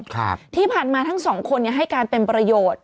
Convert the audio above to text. ที่ผ่านมาทั้งสองคนเนี่ยให้การเป็นประโยชน์